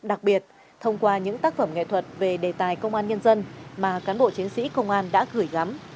đặc biệt thông qua những tác phẩm nghệ thuật về đề tài công an nhân dân mà cán bộ chiến sĩ công an đã gửi gắm